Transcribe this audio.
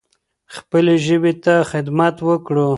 خپلې ژبې ته خدمت وکړو.